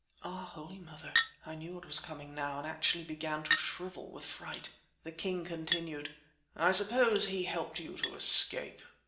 Ah! Holy Mother! I knew what was coming now, and actually began to shrivel with fright. The king continued: "I suppose he helped you to escape?"